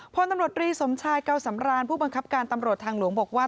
พลตำรวจรีสมชายเกาสำรานผู้บังคับการตำรวจทางหลวงบอกว่า